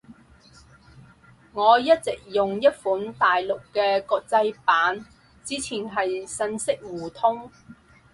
我一直用一款大陸嘅國際版。之前係信息互通